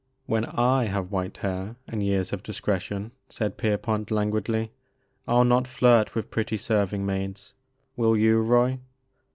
" When /have white hair and years of discre tion," said Pierpont languidly, "I'll not flirt with pretty serving maids ; will you, Roy